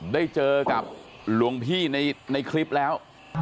ได้เจอกับหลวงพี่ในคลิปแล้ว